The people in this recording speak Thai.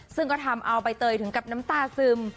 ซึ่งก็ทำเอาใบเตยถึงกับน้ำตาซึม